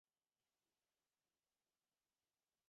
তিনি যে ক্ষমতা অর্জন করেছিলেন তা উল্লেখ না করে।